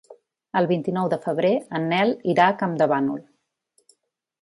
El vint-i-nou de febrer en Nel irà a Campdevànol.